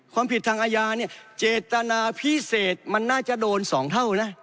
ความผิดทางอาญาเนี่ยเจตนาพิเศษมันน่าจะโดน๒เท่านะ